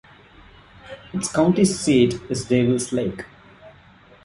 Its county seat is Devils Lake.